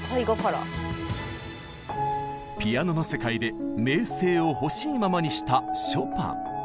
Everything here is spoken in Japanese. ピアノの世界で名声をほしいままにしたショパン。